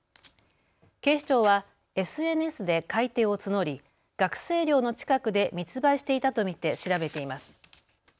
警視庁はＳＮＳで買い手を募り学生寮の近くで密売していたと見て調べています。